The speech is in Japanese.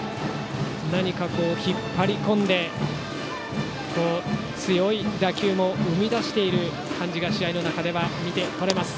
引っ張り込んで強い打球も生み出している感じが試合の中では見て取れます。